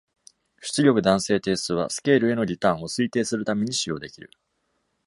出力弾性係数は、スケールへのリターンを推定するために使用できる。